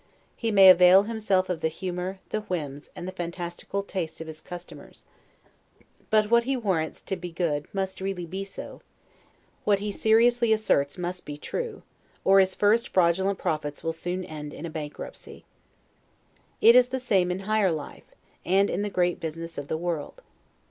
He may avail himself of the humor, the whims, and the fantastical tastes of his customers; but what he warrants to be good must be really so, what he seriously asserts must be true, or his first fraudulent profits will soon end in a bankruptcy. It is the same in higher life, and in the great business of the world.